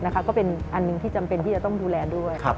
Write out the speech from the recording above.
ก็เป็นอันหนึ่งที่จำเป็นที่จะต้องดูแลด้วย